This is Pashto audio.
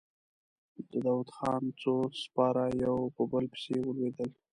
د داوودخان څو سپاره يو په بل پسې ولوېدل.